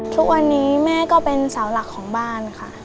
ทุกวันนี้แม่ก็เป็นสาวหลักของบ้านค่ะ